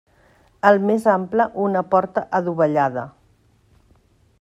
El més ample una porta adovellada.